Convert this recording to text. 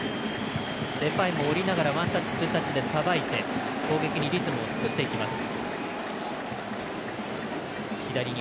デパイもワンタッチツータッチでさばいて攻撃にリズムを作っていきます。